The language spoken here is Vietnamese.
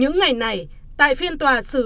những ngày này tại phiên tòa sử